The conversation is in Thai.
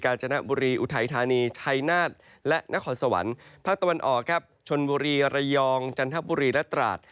จนบุรีอุทัยธานีชัยนาฏและนครสวรรค์ภาคตะวันออกครับชนบุรีระยองจันทบุรีและตราด